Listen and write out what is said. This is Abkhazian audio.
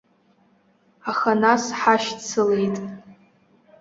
Аха нас ҳашьцылеит.